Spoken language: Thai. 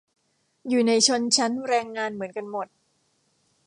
อยู่ในชนชั้นแรงงานเหมือนกันหมด